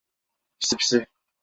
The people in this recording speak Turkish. Pisi pisi.